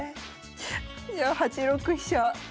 じゃあ８六飛車。